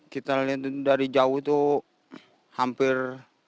kita lihat dari jauh itu hampir